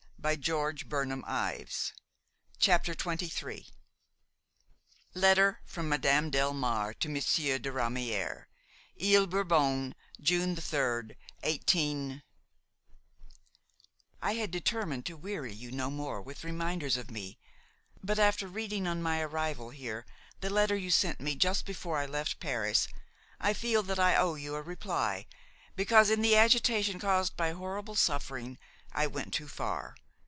replied Ralph, straining her to his heart. XXIII LETTER FROM MADAME DELMARE TO MONSIEUR DE RAMIÈRE "Ile Bourbon, June 3d, 18— "I had determined to weary you no more with reminders of me; but, after reading on my arrival here the letter you sent me just before I left Paris, I feel that I owe you a reply because, in the agitation caused by horrible suffering, I went too far.